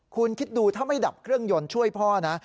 คุณคิดดูถ้าไม่ดับเครื่องยนต์ช่วยพ่อนะ